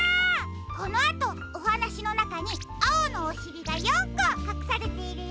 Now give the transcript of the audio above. このあとおはなしのなかにあおのおしりが４こかくされているよ。